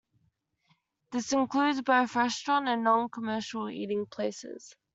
This includes both restaurant and non-commercial eating places.